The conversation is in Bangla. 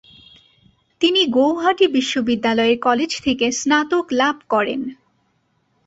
তিনি গৌহাটি বিশ্ববিদ্যালয়ের কলেজ থেকে স্নাতক লাভ করেন।